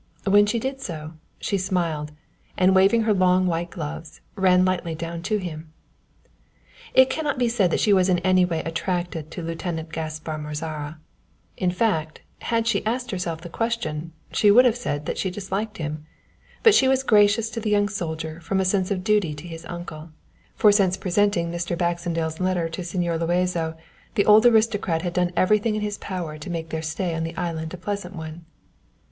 When she did so, she smiled, and waving her long white gloves, ran lightly down to him. It cannot be said that she was in any way attracted to Lieutenant Gaspar Mozara, in fact, had she asked herself the question, she would have said that she disliked him, but she was gracious to the young soldier from a sense of duty to his uncle, for since presenting Mr. Baxendale's letter to Señor Luazo, the old aristocrat had done everything in his power to make their stay on the island a pleasant one.